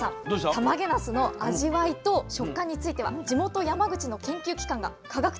たまげなすの味わいと食感については地元山口の研究機関が科学的に分析をしているんです。